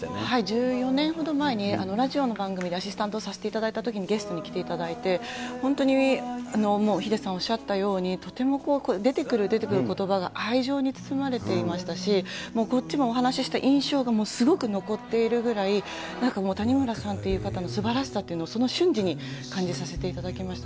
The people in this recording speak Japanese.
１４年ほど前にラジオの番組でアシスタントをさせていただいたときに、ゲストに来ていただいて、本当にヒデさんおっしゃったように、とても、出てくる出てくることばが愛情に包まれてましたし、こっちもお話して印象がすごく残っているぐらい、なんかもう谷村さんっていう方のすばらしさというのをその瞬時に感じさせていただきました。